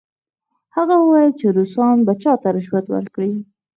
هغه وویل چې روسان به چا ته رشوت ورکړي؟